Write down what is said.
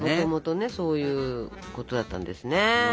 もともとねそういうことだったんですね。